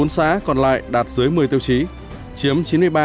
một mươi bốn xã còn lại đạt dưới một mươi tiêu chí chiếm chín mươi ba bốn